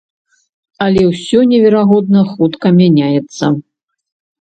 Але ўсё неверагодна хутка мяняецца.